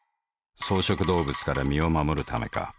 草食動物から身を護るためか。